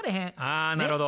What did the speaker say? あなるほど。